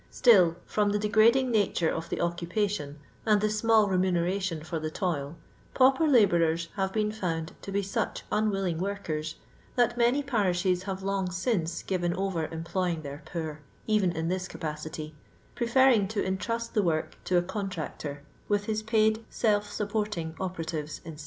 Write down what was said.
Still, from the degrading nature of the oecnpation, and the small remuneration for the toil, paaper labourers have been found to be such unwilling workers that many parishes have long since given over employing their poor even in this capacity, preforring to entrust the work to a contnctor, with his paid self supporting operatives.